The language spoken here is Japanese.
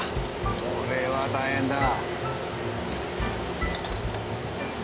これは大変だ。